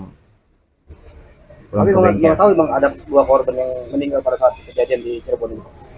tapi kamu gak tau emang ada dua korban yang meninggal pada saat kejadian di cireboni